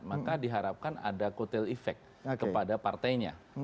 maka diharapkan ada kotel efek kepada partainya